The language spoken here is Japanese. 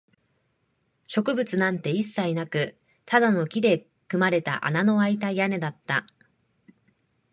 植物なんて一切なく、ただの木で組まれた穴のあいた屋根だった